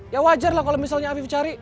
ya wajar lah kalau misalnya afif cari